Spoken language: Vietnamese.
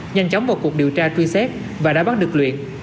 nhanh chóng vào cuộc điều tra truy xét và đã bắt được luyện